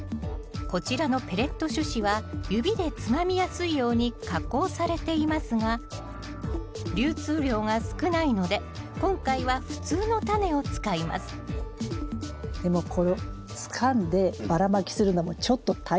こちらのペレット種子は指でつまみやすいように加工されていますが流通量が少ないので今回は普通のタネを使いますでもこれをつかんでばらまきするのもちょっと大変そう。